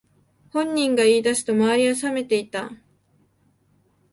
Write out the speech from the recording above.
本人が言い出すと周りはさめていった